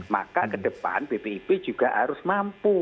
maka ke depan bpip juga harus mampu